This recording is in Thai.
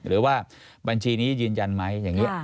หรือว่าบัญชีนี้ยืนยันไหมอย่างนี้